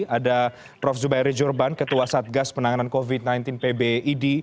ada prof zubairi jurban ketua satgas penanganan covid sembilan belas pbid